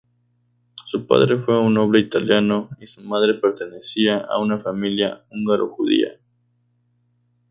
Su padre fue un noble italiano y su madre perteneciente a una familia húngaro-judía.